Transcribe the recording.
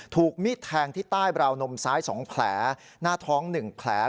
ถูกมีดแทงที่ใต้บราวนมซ้าย๒แผลหน้าท้อง๑แผล